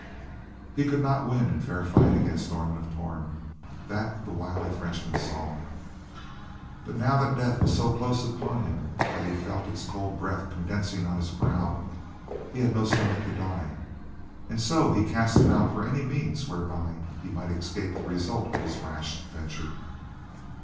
He could not win in fair fight against Norman of Torn; that the wily Frenchman saw; but now that death was so close upon him that he felt its cold breath condensing on his brow, he had no stomach to die, and so he cast about for any means whereby he might escape the result of his rash venture.